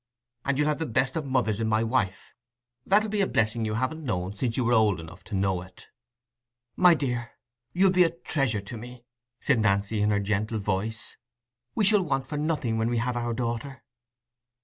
And you'll have the best of mothers in my wife—that'll be a blessing you haven't known since you were old enough to know it." "My dear, you'll be a treasure to me," said Nancy, in her gentle voice. "We shall want for nothing when we have our daughter."